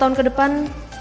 lima tahun ke depan